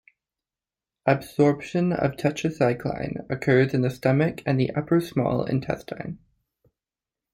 Absorption of tetracycline occurs in the stomach and the upper small intestine.